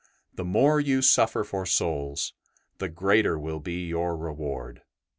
The more you suffer for souls the greater will be your reward.